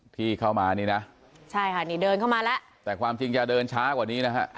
ที่เข้ามานี่นะใช่ค่ะนี่เดินเข้ามาแล้วแต่ความจริงจะเดินช้ากว่านี้นะฮะ